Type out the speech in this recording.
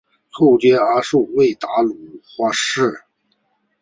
后兼阿速卫达鲁花赤。